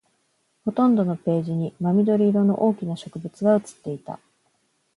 ほとんどのページに真緑色の大きな植物が写っていた